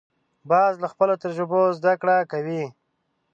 باز له خپلو تجربو زده کړه کوي